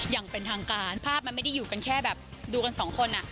อย่างเป็นทางการภาพมันไม่ได้อยู่กันแค่แบบดูกันสองคนอ่ะ